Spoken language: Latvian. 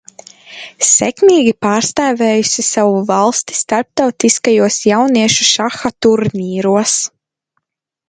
Sekmīgi pārstāvējusi savu valsti starptautiskajos jauniešu šaha turnīros.